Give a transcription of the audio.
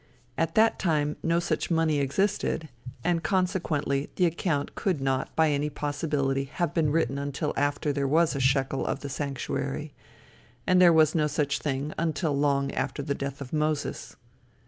At that time no such money existed, and consequently the account could not, by any possibility, have been written until after there was a shekel of the sanctuary, and there was no such thing until long after the death of Moses.